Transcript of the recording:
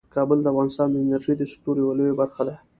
کابل د افغانستان د انرژۍ د سکتور یوه لویه برخه ده.